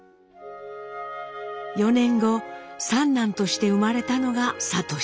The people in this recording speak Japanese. ４年後三男として生まれたのが智。